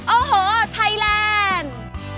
โอ้โหไทยแลนด์